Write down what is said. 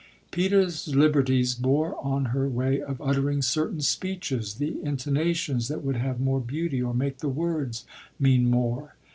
Peter's liberties bore on her way of uttering certain speeches, the intonations that would have more beauty or make the words mean more.